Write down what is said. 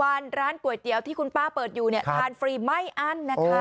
วันร้านก๋วยเตี๋ยวที่คุณป้าเปิดอยู่เนี่ยทานฟรีไม่อั้นนะคะ